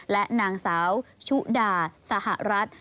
และนางสาวชุดาสหรัฐ